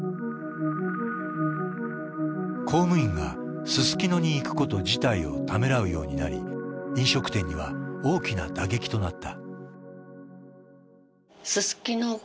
公務員がすすきのに行くこと自体をためらうようになり飲食店には大きな打撃となった。